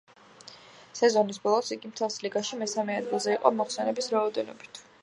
სეზონის ბოლოს, იგი მთელს ლიგაში მესამე ადგილზე იყო მოხსნების რაოდენობით.